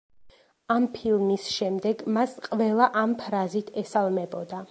ამ ფილმის შემდეგ მას ყველა ამ ფრაზით ესალმებოდა.